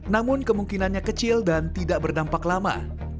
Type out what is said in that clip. namun kemungkinannya kecil dan tidak berdampak lama